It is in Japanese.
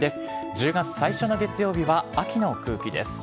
１０月最初の月曜日は秋の空気です。